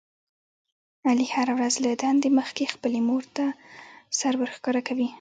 علي هره ورځ له دندې مخکې خپلې مورته سر ورښکاره کوي.